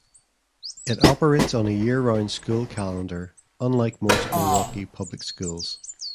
It operates on a year-round school calendar, unlike most Milwaukee Public Schools.